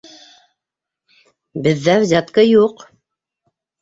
Беҙҙә взятка юҡ!